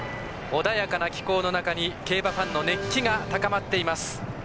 穏やかな気候の中に競馬ファンの熱気が高まっています。